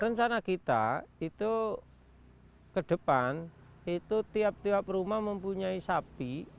rencana kita itu ke depan itu tiap tiap rumah mempunyai sapi